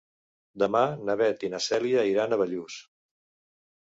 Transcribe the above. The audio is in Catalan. Demà na Beth i na Cèlia iran a Bellús.